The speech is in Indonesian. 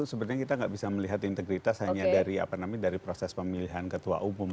sebenarnya kita nggak bisa melihat integritas hanya dari proses pemilihan ketua umum